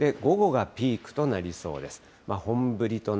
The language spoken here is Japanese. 午後がピークとなりそうです。